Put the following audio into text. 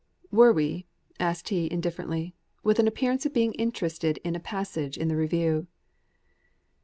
"Were we?" asked he indifferently, with an appearance of being interested in a passage in the Review.